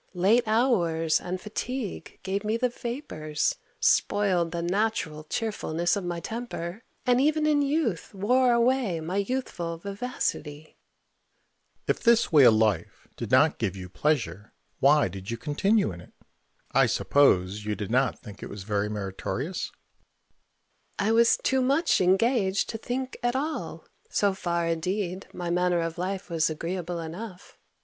Late hours and fatigue gave me the vapours, spoiled the natural cheerfulness of my temper, and even in youth wore away my youthful vivacity. Mercury. If this way of life did not give you pleasure, why did you continue in it? I suppose you did not think it was very meritorious? Mrs. Modish. I was too much engaged to think at all: so far indeed my manner of life was agreeable enough.